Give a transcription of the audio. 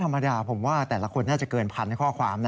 ธรรมดาผมว่าแต่ละคนน่าจะเกินพันข้อความนะ